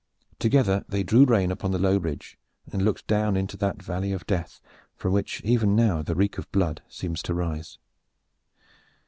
Together they drew rein upon the low ridge and looked down into that valley of death from which even now the reek of blood seems to rise.